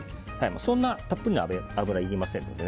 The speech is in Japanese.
そんなにたっぷりの油はいりませんので。